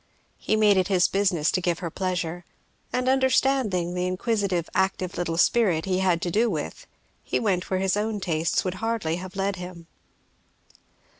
He made it his business to give her pleasure; and understanding the inquisitive active little spirit he had to do with he went where his own tastes would hardly have led him.